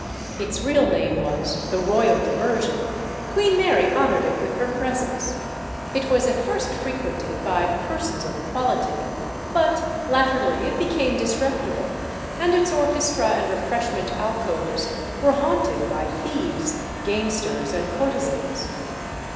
Its real name was "The Royal Diversion." Queen Mary honoured it with her presence. It was at first frequented by "persons of quality," but latterly it became disreputable, and its orchestra and refreshment alcoves were haunted by thieves, gamesters, and courtesans.